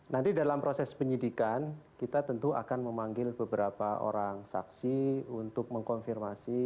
nanti dalam proses penyidikan kita tentu akan memanggil beberapa orang saksi untuk mengkonfirmasi